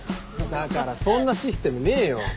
だからそんなシステムねえよ。